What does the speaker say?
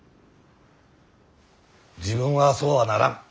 自分はそうはならん。